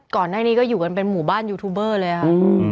ก่อนหน้านี้ก็อยู่กันเป็นหมู่บ้านยูทูบเบอร์เลยค่ะ